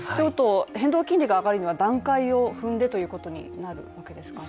変動金利が上がるには段階を踏んでということになるわけですか、